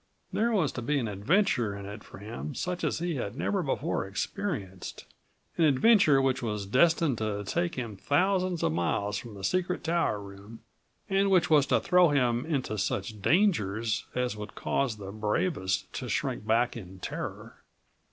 There was to be an adventure in it for him such as he had never before experienced, an adventure which was destined to take him thousands of miles from the secret tower room and which was to77 throw him into such dangers as would cause the bravest to shrink back in terror.